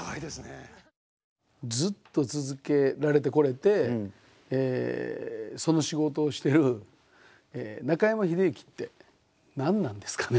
ずっと続けられてこれてその仕事をしてる中山秀征って何なんですかね？